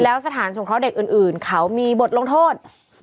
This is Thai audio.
แล้วสถานสงเคราะห์เด็กอื่นเขามีบทลงโทษ